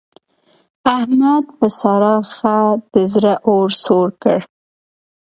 احمد په سارا ښه د زړه اور سوړ کړ.